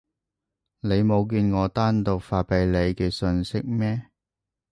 你冇見我單獨發畀你嘅訊息咩？